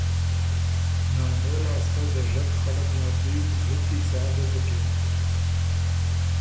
نانو لاسته دژک خلق نر دی زُتی سا ګه بُکِن